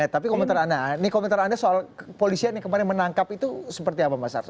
tapi komentar anda ini komentar anda soal kepolisian yang kemarin menangkap itu seperti apa mas ars